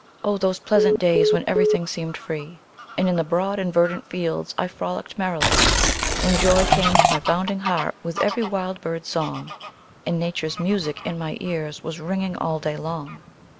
O those pleasant days, when everything seemed free, And in the broad and verdant fields I frolicked merrily; When joy came to my bounding heart with every wild bird's song, And Nature's music in my ears was ringing all day long!